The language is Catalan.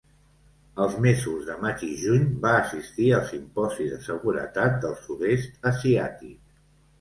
Els mesos de maig i juny, va assistir al Simposi de Seguretat del Sud-est Asiàtic.